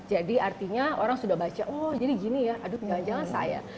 jadi artinya orang sudah baca oh jadi gini ya aduh tinggal jangan saya